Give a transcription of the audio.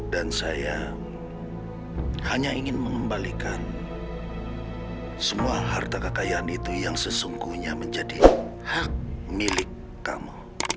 dan saya hanya ingin mengembalikan semua harta kekayaan itu yang sesungguhnya menjadi hak milik kamu